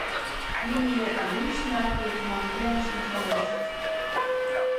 Имне лишнак рокмалтен шинчалеш...